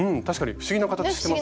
不思議な形してますね。